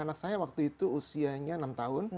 anak saya waktu itu usianya enam tahun